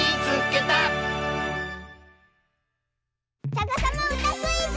「さかさまうたクイズ」！